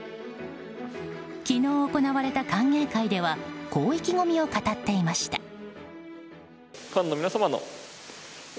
昨日行われた歓迎会ではこう意気込みを語っていました。